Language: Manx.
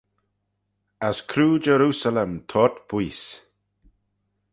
As croo Jerusalem toyrt booise.